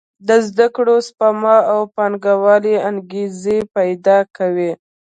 د زده کړو، سپما او پانګونې انګېزې پېدا کوي.